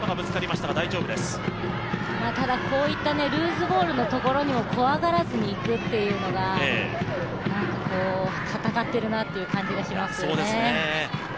ただこういったルーズボールのところにも怖がらずに行くというところが戦っているなという感じがしますよね。